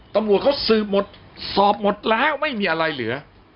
ตำรวจเขาสืบหมดสอบหมดแล้วไม่มีอะไรเหลือ